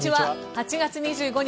８月２５日